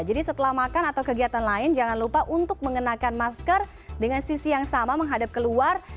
jadi setelah makan atau kegiatan lain jangan lupa untuk mengenakan masker dengan sisi yang sama menghadap ke luar